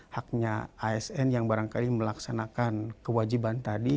haknya asn yang barangkali melaksanakan kewajiban tadi